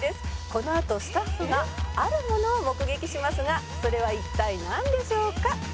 「このあとスタッフがあるものを目撃しますがそれは一体なんでしょうか？」